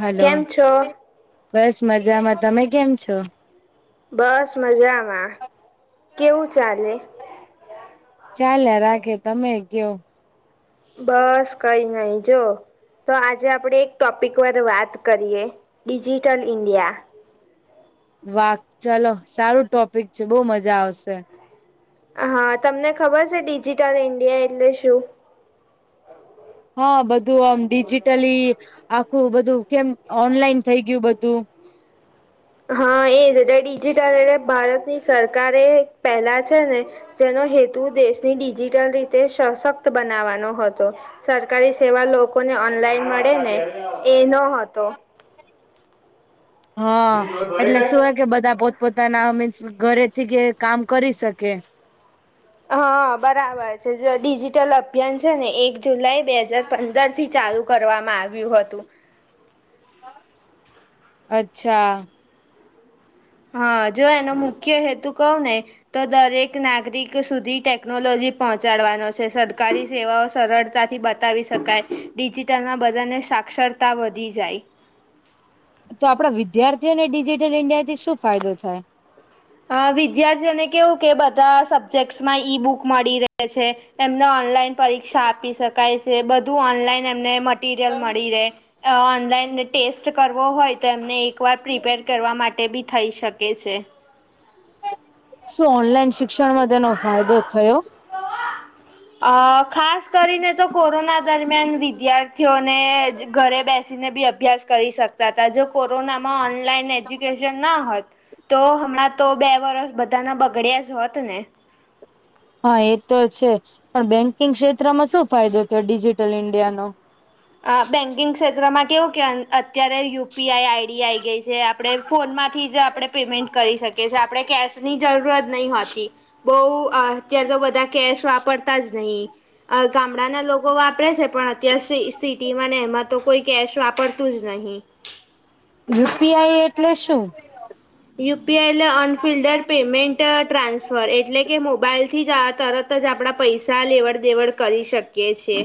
Hello કેમ છો? બસ મજામાં તમે કેમ છો બસ મજામાં કેવું ચાલે ચાલ્યા રાખે તમે કયો બસ કઈ નહી જો તો આજે આપડે એક ટોપિક વાર વાત કરીએ ડિજિટલ ઇન્ડિયા વાહ ચાલો સારું ટોપિક છે બહુ મજા આવશે હા તમને ખબર છે ડિજિટલ ઇન્ડિયા એટલે શું હા બધું આમ ડીજિટલી આખું બધું કેમ ઓનલાઈન થઈ ગયું બધું હા એજ ડિજિટલ એટલે ભારતની સરકાર એ પહેલા છે ને જેનો હેતુ દેશની ડિજિટલ રીતે સશક્ત બનાવાનો હતો સરકારી સેવા લોકોને ઓનલાઈન મળે ને એ નો હતો હા એટલે શું હોય કે બધા પોતપોતાના મીન્સ ઘરેથી કે કામ કરી શકે હા બરાબર છે જે ડિજિટલ અભિયાન છે ને એક જુલાઈ બે હજાર પંદર થી ચાલુ કરવામાં આવ્યું હતું અચ્છા હા જો એનો મુખ્ય હેતુ કહું ને તો દરેક નાગરિક સુધી ટેકનોલોજી પહોંચાડવાનો છે સરકારી સેવાઓ સરળતાથી બધા બતાવી શકાય ડિજિટલમાં બધાને સાક્ષરતા વધી જાય તો આપણા વિદ્યાર્થીઓને ડિજિટલ ઇન્ડિયા થી શું ફાયદો થાય અ વિદ્યાર્થીઓને કેવું કે બધા સબ્જેક્ટસમાં ઈ બુક મળી રહે છે એમને ઓનલાઈન પરીક્ષા આપી શકાય છે બધું ઓનલાઈન એમને મટીરીયલ મળી રહે ઓનલાઈન ટેસ્ટ કરવો હોય તો એમને એક વાર પ્રિપેર કરવા માટે પણ થઈ શકે છે શું ઓનલાઈન શિક્ષણમાં તેનો ફાયદો થયો વાવા અ ખાસ કરીને તો કોરોના દરમિયાન વિદ્યાર્થીઓને ઘરે બેસ અભ્યાસ કરી શકતા હતા કોરોનામાં ઓનલાઈન એજ્યુકેશન ના હોત તો હમણાં તો બે વરસ બધાના બગડ્યા જ હોત ને હા એ તો છે બેંકિંગ ક્ષેત્રમાં શું ફાયદો ડિજિટલ ઈન્ડિયાનો અ બેન્કિંગ ક્ષેત્રમાં કેવું કે અત્યારે યુપીઆઈ આઈડી આઈ ગઈ છે આપણે ફોનમાંથી જ આપણે પેમેન્ટ કરી શકીએ છીએ આપણે કેસ ની જરૂરત નહી હોતી બઉ અત્યારે તો બધા કેશ વાપરતા જ નહી ગામડાના લોકો વાપરે છે પણ અત્યાર સિટીમાં ને એમાં તો કોઈ કેશ વાપરતું જ નહીં યુપીઆઈ એટલે શું યુપીઆઈ એટલે ઉન્ફઇલેંડ પેમેન્ટ ટ્રાન્સફર એટલે કે મોબાઈલથી જ તરત જ આપણા પૈસા લેવડ દેવડ કરી શકીયે કે છે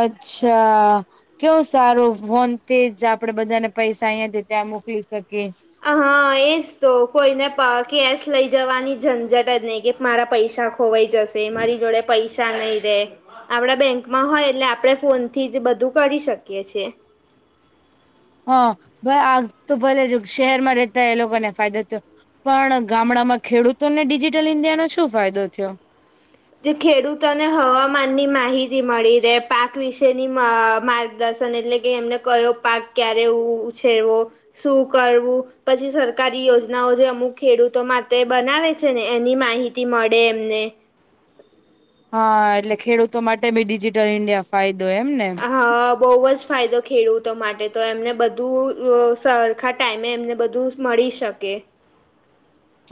અચ્છા કેવું સારું ફોન જ આપણેે બધાને પૈસા અહીંથી ત્યાં મોકલી શકીએ હા એજ તો કોઈને કેશ લઈ જવાની ઝંઝટ જ નહીં કે મારા પૈસા ખોવાઈ જશે મારી જોડે પૈસા નહીં રહે આપડા બેંકમાં હોય આપડે ફોન જ બધું કરી શકીએ છે હા આ તો ભલે જો શહેરમાં રહેતા એ લોકોને ફાયદો થયો ગામડામાં ખેડૂતોને ઈન્ડિયાનો શું ફાયદો થયો જે ખેડૂતોને હવામાન ની માહિતી મળી રહે પાક વિશેની માર્ગદર્શન એટલે કે એમને કયો પાક ક્યારે ઉછેરવો શું કરવું પછી સરકારી યોજનાઓ જે અમુક ખેડૂતો માટે બનાવે છે ને એની માહિતી મળે એમને હા એટલે ખેડૂતો માટે બી ડિજિટલ ઇન્ડિયા ફાયદો એમ ને હા બોવજ ફાયદો ખેડૂતો માટે તો બધું સરખા ટાઈમે એમને બધું મળી શકે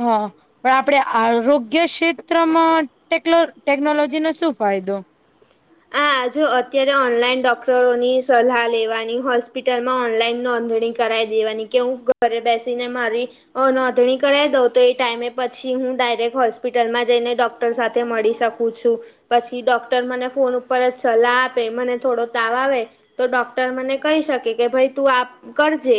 હા પણ આપડે આરોગ્ય ક્ષેત્રમાં ટેકનોલોજી નો શું ફાયદો આ આજુ અત્યારે ઓનલાઈન ડોક્ટરોની સલાહ લેવાની હોસ્પિટલમાં ઓનલાઈન નોંધણી કરાવી દેવાની કે હું ઘરે બેસીને મારી નોંધણી કરાવ દઉં તો એ ટાઈમે પછી હું ડાયરેક્ટ હોસ્પિટલમાં જઈને ડોક ડોક્ટર સાથે મળી શકું છું પછી ડોક્ટર મને ફોન ઉપર જ સલાહ આપે મને થોડો તાવ આવે તો ડોક્ટર મને કહી શકે કે ભાઈ તું આપ કરજે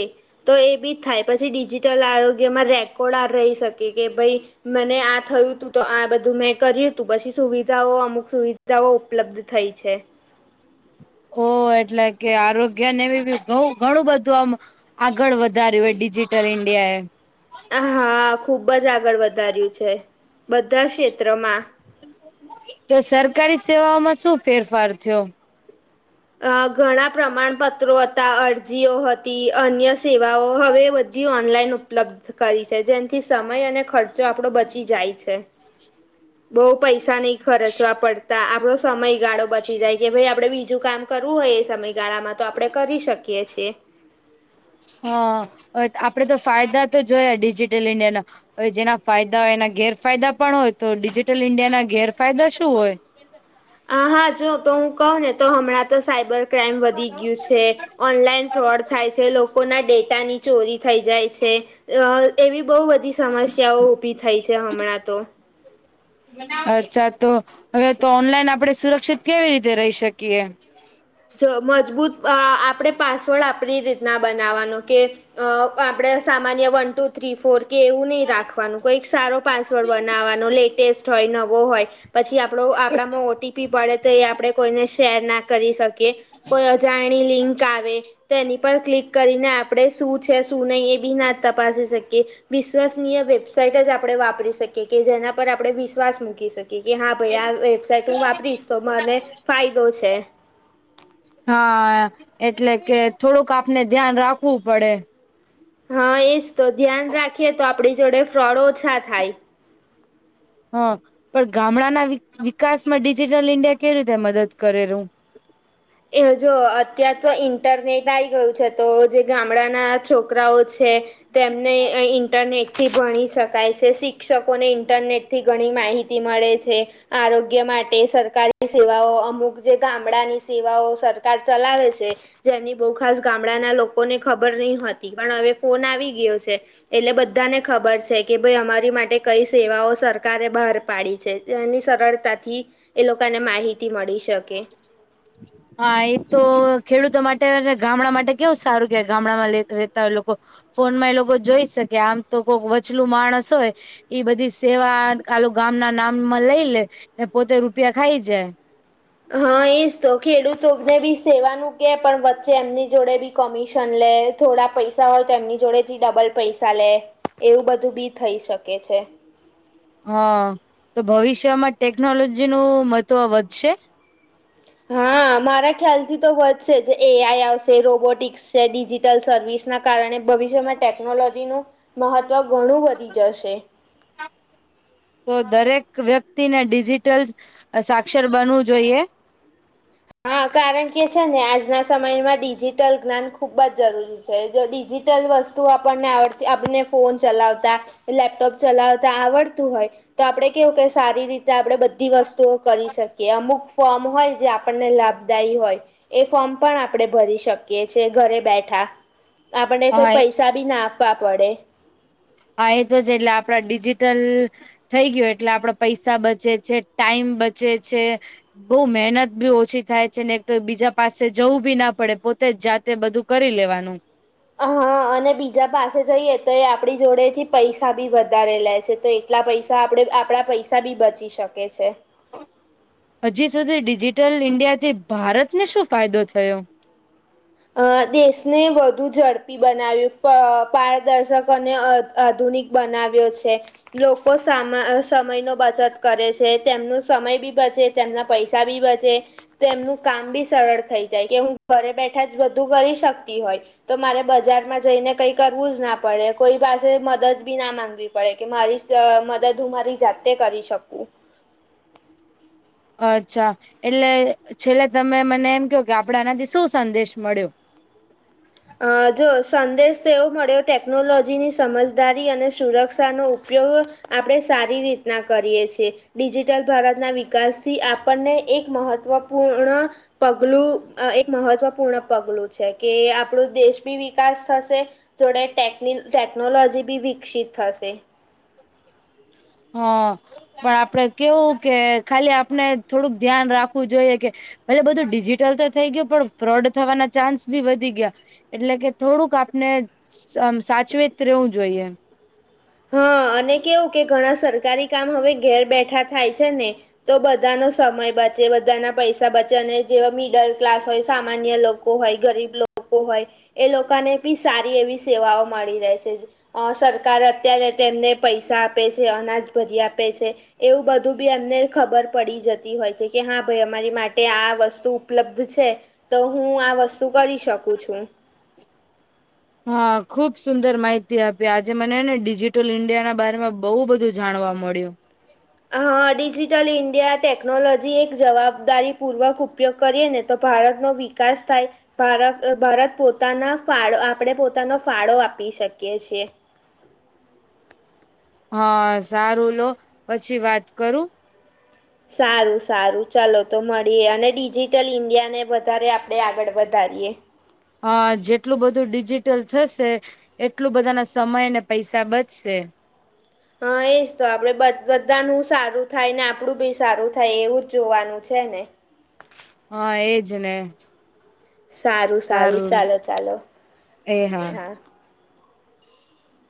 તો એ બી થાય પછી ડિજિટલ આરોગ્યમાં રેકોર્ડ આ રહી શકે કે ભાઈ મને આ થયું હતું તો આ બધું મેં કર્યું હતું પછી સુવિધાઓ અમુક સુવિધાઓ ઉપલબ્ધ થઈ છે ઓ એટલે કે આરોગ્ય ને એ બી ઘણું બધું આમ આગળ વધાર્યુંય ડિજીટલ ઇન્ડિયા એ. હા ખુબ જ આગળ વધાર્યું છે બધા જ ક્ષેત્રમાં. એક તો સરકારી સેવાઓમાં શું ફેરફાર થયો? અ ઘણા પ્રમાણપત્રો હતા અરજીઓ હતી અન્ય સેવાઓ હવે ઈ ઓનલાઈન ઉપલબ્ધ કરી છે જે ન થી સમય અને ખર્ચો આપડો બચી જાય છે. [inaudible] બઉુ પૈસા નહી ખર્ચવા પડતા આપડો સમયગાળો બચી જાય કે ભાઈ આપડે બીજું કામ કરવું હોય એ સમયગાળામાં તો આપણે કરી શકીએ છીએ. હા આપડે તો ફાયદા તો જોયા ડિજિટલ ઇન્ડિયા ના હવે જેના ફાયદા હોય એના ગેરફાયદા પણ હોય તો ડિજિટલ ઇન્ડિયાના ગેરફાયદા શું હોય? હ હા જો તો હું કહું ને હમણાં તો સાઈબર ક્રાઈમ વધી ગયું છે. છે ઓનલાઈન ફ્રોડ થાય છે લોકોના ડેટાની ચોરી થઈ જાય છે. એવી બહુ બધી સમસ્યાઓ ઊભી થઈ છે હમણાં તો. અચ્છા તો હવે તો ઓનલાઈન આપડે સુરક્ષિત કેવી રીતે રહી શકીએ? જો મજબૂત આપણે પાસવર્ડ આપણી રીતના બનાવવાનો કે અ આપણેે સામાન્ય વન ટુ થ્રી ફોર કે એવું નહી રાખવાનું કઈક સારો પાસવર્ડ બનાવવાનો લેટેસ્ટ હોય નવો હોય. પછી આપણો આપણામાં ઓટીપી પડે તો એ આપણેે કોઇને શેર ના કરી શકીએ. કે કોઈ અજાણી લિંક આવે. તે એની પર ક્લિક કરીને આપણે શું છે શું નહીં એ બી ના તપાસી શકીએ. વિશ્વસનીય વેબસાઇટ જ આપણે વાપરી શકીએ કે જેના પર આપણે વિશ્વાસ મૂકી શકીએ. કે હા ભાઈ આ વેબસાાઈટ હું, વાપરીશ તો મને ફાયદો છે. હા એટલે કે થોડુંક આપણે ધ્યાન રાખવુ પડે. હા એજ તો ધ્યાન રાખીએ તો આપડી જોડે ફ્રોડ ઓછા થાય. હા પણ ગામડાના વિકા વિકાસમાં ડિજિટલ ઈન્ડિયા કેવી રીતે મદદ કરેરુ? એ જો અત્યાર તો ઈન્ટરનેટ આઈ ગયું છે તો જે ગામડાના છોકરાઓ છે તેમને ઇન્ટરનેટ. થી ભણી શકાય છે, શિક્ષકોને ઇન્ટરનેટથી ઘણી માહિતી મળે છે. આરોગ્ય માટે સરકારી સેવાઓ અમુક જે ગામડાની સેવાઓ સરકાર ચલાવે છે. જેની બહુ ખાસ ગામડાના લોકોને ખબર નઇ હોતી પણ હવે ફોન આવી ગયો છે. એટલે બધાને ખબર છે કે ભઈ અમારી માટે કઈ સેવાઓ સરકારે બહાર પાડી છે. એની સરળતાથી એ લોકોને માહિતી મળી શકે. [inaudible] હા એ તો ખેડૂતો માટે અને ગામડા માટે કેવું સારું કેવાય ગામડામાં રહેેતા હોય એ લોકો ફોન માં એ લોકો જોઈ શકે આમ તો કોઈક વચલું માણસ હોય ઈ બધી સેવા કાલું ગામ ના નામમાં લઈ લે ને પોતે રૂપિયા ખાઈ જાય. હા એજ તો ખેડૂતોને બી સેવાનું કે પણ વચ્ચે એમની જોડે બી કમિશન લે થોડા પૈસા હોય તો એની જોડે થી ડબલ પૈસા લે એવું બધું બી થઈ શકે છે. હા તો ભવિષ્યમાં ટેકનોલોજી નું મહત્વ વધશે? હા મારા ખ્યાલ થી તો વધશે જ એ આઈ આવશે રોબોટિક્સ [unintelligible] ડિજિટલ સર્વિસ ના કારણે ભવિષ્યમાં ટેકનોલોજીનું મહત્ત્વ ઘણું વધી જશે. તો દરેક વ્યક્તિને ડિજિટલ સાક્ષર બનવું જોઈએ. હા કારણ કે છે ને આજના સમયમાં ડિજિટલ જ્ઞાન ખુબ જ જરૂરી છે. છે જો ડિજિટલ વસ્તુઓ આપણને આવડતી આપણને ફોન ચલાવતા લેપટોપ ચલાવતા આવડતું હોય. તો આપડે કેવું કે સારી રીતે આપણે બધી વસ્તુઓ કરી શકીએ અમુક ફોર્મ હોય જે આપણને લાભદાયી હોય એ ફોર્મ પણ આપણે ભરી શકીએ છે એ ઘરે બેઠા આપણે હા કોઈ પૈસા બી ના આપવા પડે. હા એ તો છે એટલે આપડા ડિજિટલ થઈ ગ્યું એટલે આપણે પૈસા બચે છે ટાઈમ બચે છે. બઉ મહેનત બી ઓછી થાય છે ને એક તો બીજા પાસે જવું બી ન પડે પોતે જ જાત તે બધું કરી લેવાનું. હ અને બીજા પાસે જઈએ તો એ આપણી જોડે થી પૈસા બી વધારે લે છે તો એટલા પૈસા આપડે આપણા પૈસા બી બચી શકે છે. હજી સુધી ડિજિટલ ઇન્ડિયાથી ભારતને શું ફાયદો થયો? અ દેશને વધુ ઝડપી બનાવ્યું પ પારદર્શક અને [unintelligible] આધુનિક બનાવ્યો છે. લોકો સા સમય નો બચત કરે છે. તેમનું સમય બી બચે તેમના પૈસા બી બચે તેમનું કામ બી સરળ થઈ જાય કે હું ઘરે બેઠ શાયદ બધું કરી શકતી હોય. તો મારે બજારમાં જઈને કઈ કરવું જ ના પડે કોઈ પાસે મદદ બી ના માંગે. પડે કે મારી મદદ હું મારી જાતે કરી શકું. અચ્છા એટલે છેલ્લે તમે મને એમ કયો કે આપણે આનાથી શું સંદેશ મળ્યો. અ જો સંદેશ તો એવો મળ્યો ટેકનોલોજીની સમજદારી અને સુરક્ષાનો ઉપયોગ આપણે સારી રીતના કરીએ છીએ. ડિજિટલ ભારતના વિકાસથી આપણને એક મહત્વપૂર્ણ પગલું આ એક મહત્વપૂર્ણ પગલું છે કે આપ આપણું દેશ ભી વિકાસ થશે જોડે ટેક ટેકનોલોજી બી વિકસિત થશે. હ પણ આપડે કેવું કે ખાલી આપણે થોડુંક ધ્યાન રાખવું જોઈએ કે પલે બધું ડિજિટલ તો થઈ ગયું. પણ ફ્રોડ થવાના ચાન્સ બી વધી ગયા. એટલે કે થોડુંક આપને આમ સાચવીત રહેેવું જોઈએ. હ અને કેવું કે ઘણા સરકારી કામ હવે ઘેર બેઠા થાય છે ને. તો બધાનો સમય બચે, બધાના પૈસા બચે અને જેવા મિડલ ક્લાસ હોય સામાન્ય લોકો લોકો હોય ગરીબ લોકો હોય એ લોકોને બી સારી એવી સેવાઓ મળી રહેશે. અ સરકાર અત્યારે તેમને પૈસા આપે છે, અનાજ ભરી આપે છે. એવું બધું બી એમને ખબર પડી જતી હોય છે કે હા ભાઈ અમારી માટે આ વસ્તુ ઉપલબ્ધ છે. તો હું આ વસ્તુ કરી છું એમ. હા ખુબ સુંદર માહિતી આપી. આજે મને હેને ડિજિટલ ઈન્ડિયાના બારામાં બહુ બધું જાણવા મળ્યું. અ હ ડિજિટલ ઈન્ડિયા ટેકનોલોજી એક જવાબદારીપૂર્વક ઉપયોગ કરીએ ને તો ભારત નો વિકાસ થાય. ભારત ભારત પોતાના ફાળો આપણે પોતાનો ફાળો આપી શકીએ છીએ. હા સારું લો પછી વાત કરું. સારું સારું ચાલો તો મળીએ અને ડિજિટલ ઇન્ડિયા ને વધારે આપડે આગળ વધારીએ. અ જેટલું બધું ડિજિટલ થશે એટલું બધા ના સમય અને પૈસા બચશે. હા એજ તો આપડે બધ બધાનું સારું થાય ને આપડું બી સારું થાય એવું જોવાનું છે ને. હા એજ ને. સારું, સારું, ચાલો, ચાલો, હા.